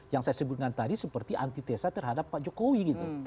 yang saya sebutkan tadi seperti antitesa terhadap pak jokowi gitu